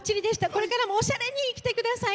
これからもおしゃれに生きてください。